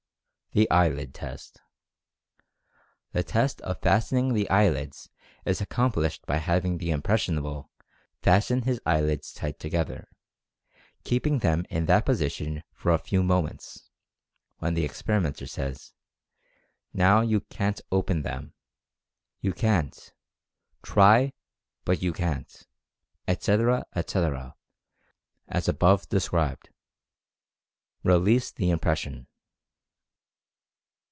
THE "EYELID" TEST. The test of fastening the eyelids is accomplished by having the "impressionable" fasten his eyelids tight together, keeping them in that position for a few mo ments, when the experimenter says: "Now you CAN'T open them — you CAN'T — try, but you CAN'T," etc., etc., as above described. Release the impression.